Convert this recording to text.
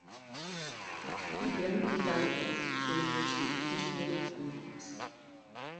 Miguel Hidalgo during which he officiated a mass.